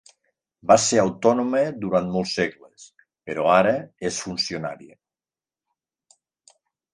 Va ser autònoma durant molts segles, però ara és funcionària.